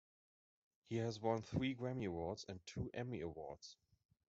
He has won three Grammy Awards and two Emmy Awards.